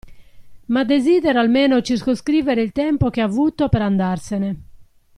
Ma desidero almeno circoscrivere il tempo che ha avuto per andarsene.